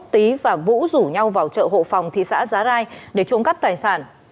tý và vũ rủ nhau vào chợ hộ phòng thị xã giá rai để trộm cắp tài sản